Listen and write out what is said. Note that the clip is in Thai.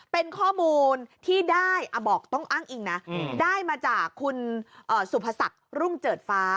เป็นข้อมูลที่ได้บอกต้องอ้างอิงนะได้มาจากคุณสุภศักดิ์รุ่งเจิดฟ้า